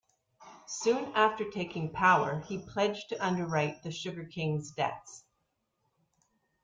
Soon after taking power, he pledged to underwrite the Sugar Kings' debts.